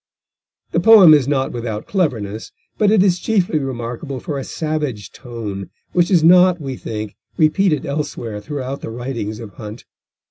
The poem is not without cleverness, but it is chiefly remarkable for a savage tone which is not, we think, repeated elsewhere throughout the writings of Hunt.